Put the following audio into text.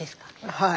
はい。